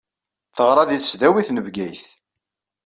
Teɣṛa di tesdawit n Bgayet.